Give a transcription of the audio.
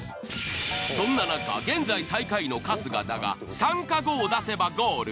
そんななか現在最下位の春日だが３か５を出せばゴール。